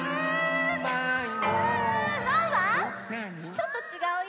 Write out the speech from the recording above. ちょっとちがうよ。